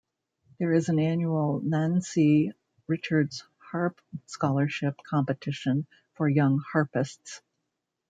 There is an annual Nansi Richards Harp Scholarship competition for young harpists.